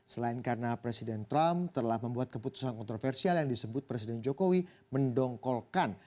selain karena presiden trump telah membuat keputusan kontroversial yang disebut presiden jokowi mendongkolkan